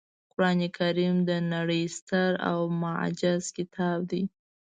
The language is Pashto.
قرانکریم د نړۍ ستر او معجز کتاب دی